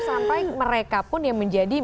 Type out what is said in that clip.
sampai mereka pun yang menjadi